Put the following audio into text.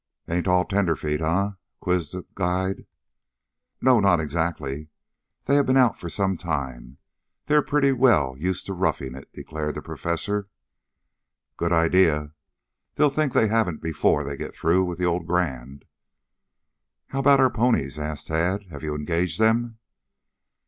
"Ain't all tenderfeet, eh?" quizzed the guide. "No, not exactly. They have been out for some time. They are pretty well used to roughing it," declared the Professor. "Good idea. They'll think they haven't before they get through with the old Grand." "How about our ponies?" asked Tad. "Have you engaged them?"